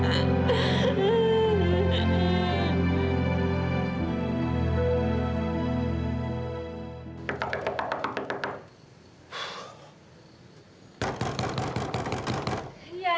sampai dia maafin mila